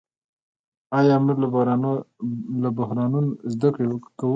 آیا موږ له بحرانونو زده کړه کوو؟